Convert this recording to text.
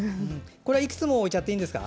これはいくつも置いちゃっていいんですか？